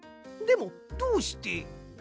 でもどうして？